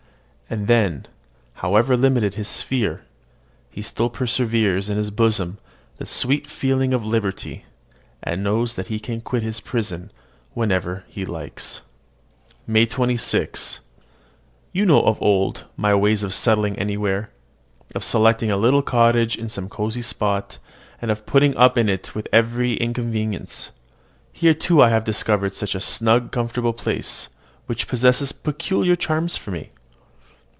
And then, however limited his sphere, he still preserves in his bosom the sweet feeling of liberty, and knows that he can quit his prison whenever he likes. MAY 26. You know of old my ways of settling anywhere, of selecting a little cottage in some cosy spot, and of putting up in it with every inconvenience. Here, too, I have discovered such a snug, comfortable place, which possesses peculiar charms for me.